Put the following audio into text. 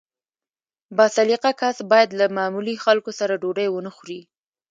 با سلیقه کس باید له معمولي خلکو سره ډوډۍ ونه خوري.